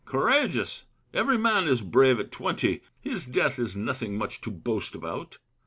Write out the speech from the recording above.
Courageous! Every man is brave at twenty; His death is nothing much to boast about.